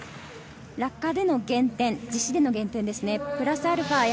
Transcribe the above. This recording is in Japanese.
落下での減点、実施での減点ですね。